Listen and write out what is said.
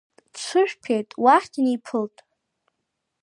Дҽыжәԥеит, уахь днеиԥылт.